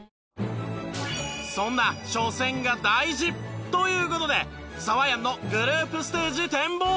そんな初戦が大事という事でサワヤンのグループステージ展望。